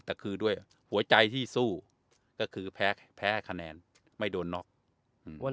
แต่คือด้วยหัวใจที่สู้ก็คือแพ้แพ้คะแนนไม่โดนน็อก